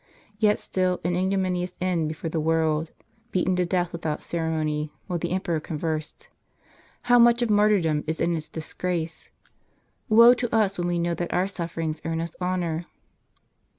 Tet still, an ignominious end before the world ; beaten to death without ceremony, while the emperor conversed. How much of martyrdom is in its disgrace ! Woe to us when we know that our sufferings earn us honor